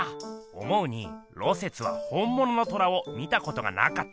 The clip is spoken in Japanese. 思うに芦雪は本ものの虎を見たことがなかった！